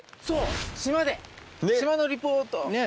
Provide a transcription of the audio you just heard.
そう島で島のリポート。